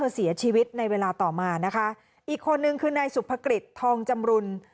เสียชีวิตในเวลาต่อมานะคะอีกคนนึงคือนายสุภกฤษทองจำรุน